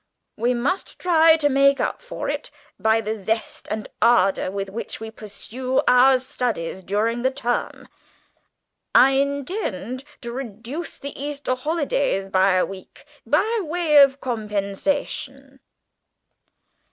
We must try to make up for it by the zest and ardour with which we pursue our studies during the term. I intend to reduce the Easter holidays by a week by way of compensation."